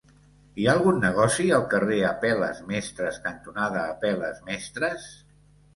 Hi ha algun negoci al carrer Apel·les Mestres cantonada Apel·les Mestres?